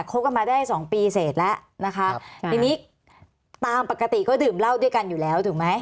กันมาได้สองปีเสร็จแล้วนะคะทีนี้ตามปกติก็ดื่มเหล้าด้วยกันอยู่แล้วถูกไหม